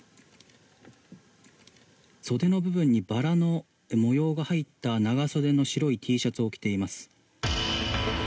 袖の部分にバラの模様が入った長袖の白いＴシャツを着てます。